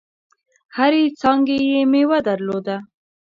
هرې څانګي یې مېوه درلوده .